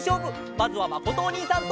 まずはまことおにいさんと。